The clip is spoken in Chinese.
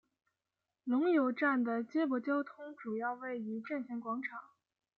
龙游站的接驳交通主要位于站前广场。